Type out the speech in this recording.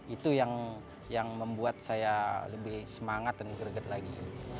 itu yang membuat saya lebih semangat dan greget lagi